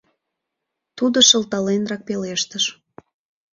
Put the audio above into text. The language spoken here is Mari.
— тудо шылталенрак пелештыш.